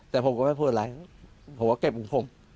แต่ผมก็ไม่ได้พูดอะไรเพราะว่าเก็บของผม